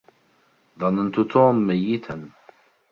ظننت توم ميّتا.